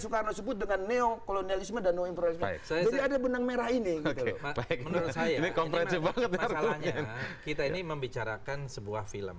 kepada bung karno